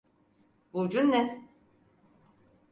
Burcun ne?